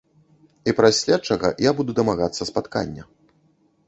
І праз следчага я буду дамагацца спаткання.